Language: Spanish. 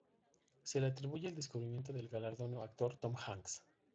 Se le atribuye el descubrimiento del galardonado actor Tom Hanks.